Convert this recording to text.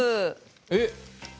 えっ！